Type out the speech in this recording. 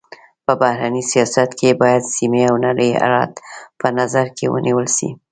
په بهرني سیاست کي باید سيمي او نړۍ حالت په نظر کي ونیول سي.